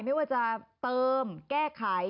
ไม่ว่าจะเติมแก้ไข